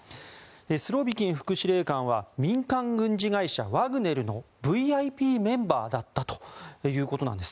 スロビキン副司令官は民間軍事会社ワグネルのＶＩＰメンバーだったということです。